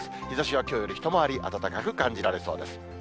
日ざしはきょうより一回り暖かく感じられそうです。